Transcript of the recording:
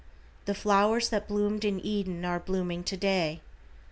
The flowers that bloomed in Eden are blooming to day.